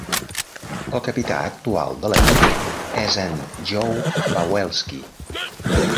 El capità actual de l'equip és en Joe Pavelski.